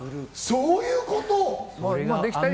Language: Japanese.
そういうこと？